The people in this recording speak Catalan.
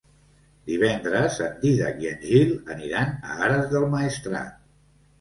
Divendres en Dídac i en Gil aniran a Ares del Maestrat.